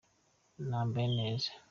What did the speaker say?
nambaye neza.